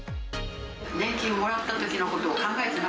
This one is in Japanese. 年金もらったときのことを考